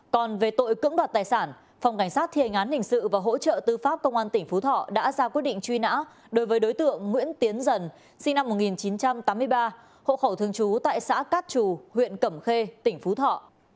còn về tội cưỡng đoạt tài sản phòng cảnh sát thiên án hình sự và hỗ trợ tư pháp công an tỉnh phú thọ đã ra quyết định truy nã đối với đối tượng nguyễn tiến dần sinh năm một nghìn chín trăm tám mươi ba hộ khẩu thường trú tại xã cát trù huyện cẩm khê tỉnh phú thọ